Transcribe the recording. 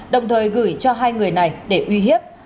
đồng thời gửi cho hai người này để uy hiếp